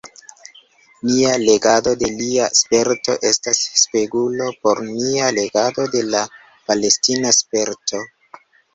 Nia legado de lia sperto estas spegulo por nia legado de la palestina sperto.